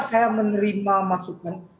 saya menerima masukkan